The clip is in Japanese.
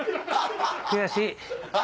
悔しい。